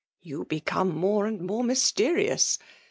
'' You become more and more mysterioua.